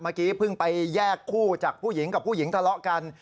เมื่อกี้เพิ่งไปแยกคู่จากผู้หญิงกับผู้หญิงทะเลาะกัน